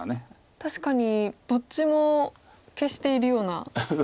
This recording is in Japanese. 確かにどっちも消しているような。